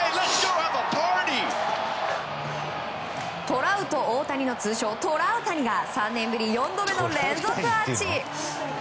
トラウト、大谷の通称トラウタニが３年ぶり４度目の連続アーチ。